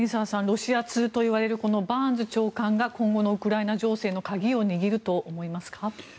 ロシア通といわれるバーンズ長官が今後のウクライナ情勢の鍵を握ると思いますか。